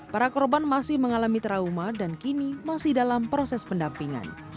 para korban masih mengalami trauma dan kini masih dalam proses pendampingan